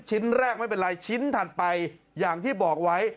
ชิ้นแรกไม่เป็นไรชิ้นถัดไปอย่างที่บอกไว้